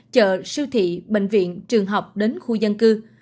chợ siêu thị bệnh viện trường học đến khu dân cư